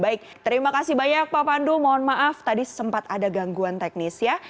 baik terima kasih banyak pak pandu mohon maaf tadi sempat ada gangguan teknis ya